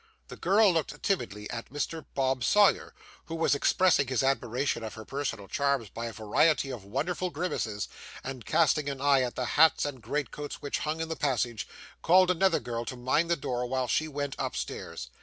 The girl looked timidly at Mr. Bob Sawyer, who was expressing his admiration of her personal charms by a variety of wonderful grimaces; and casting an eye at the hats and greatcoats which hung in the passage, called another girl to mind the door while she went upstairs.